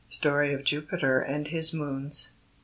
STORY OF JUPITER AND HIS MOONS.